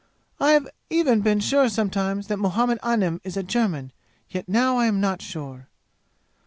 I have even been sure sometimes that Muhammad Anim is a German; yet now I am not sure.